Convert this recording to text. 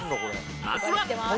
まずは。